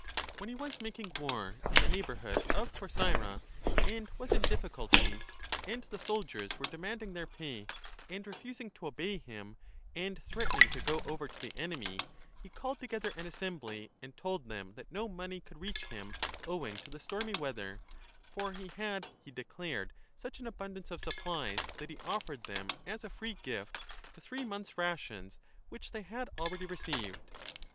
30 When he was making war in the neighbourhood of Corcyra and was in difficulties, and the soldiers were demanding their pay and refusing to obey him and threatening to go over 2 to the enemy, he called together an assembly and told them that no money could reach him 35 owing to the stormy weather, for he had, he declared, such an abundance of supplies that he offered them as a free gift the three months rations which they had already received.